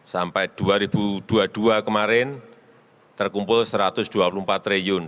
sampai dua ribu dua puluh dua kemarin terkumpul rp satu ratus dua puluh empat triliun